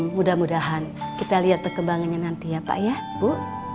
mudah mudahan kita lihat perkembangannya nanti ya pak ya bu